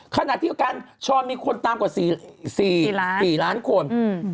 ขณะที่ชอมมีคนตามกว่า๔ล้านคน